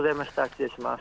失礼します。